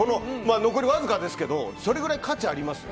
残りわずかですけどそれぐらい価値があります。